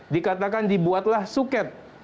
dikatakan dibuatlah suket